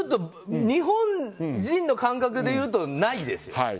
日本人の感覚で言うとないですよね。